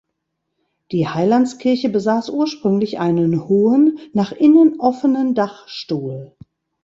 Die Heilandskirche besaß ursprünglich einen hohen, nach innen offenen Dachstuhl.